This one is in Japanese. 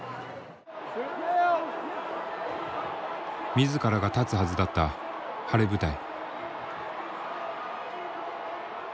自らが立つはずだった晴れ舞台。